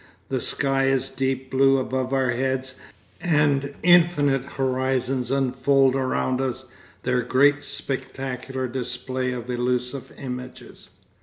The sky is deep blue above our heads, and infinite horizons unfold around us their great spectacular display of illusive images.